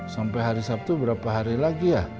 sampai hari sabtu berapa hari lagi ya